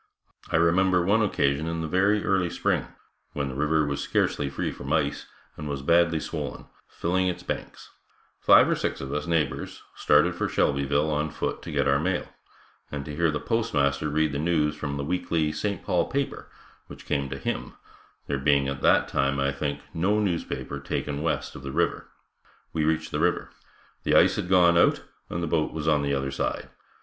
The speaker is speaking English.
I remember one occasion in the very early spring, when the river was scarcely free from ice, and was badly swollen, filling its banks, five or six of us, neighbors, started for Shelbyville on foot to get our mail, and to hear the postmaster read the news from the weekly St. Paul paper which came to him, there being at that time, I think, no newspaper taken west of the river. We reached the river. The ice had gone out, and the boat was on the other side.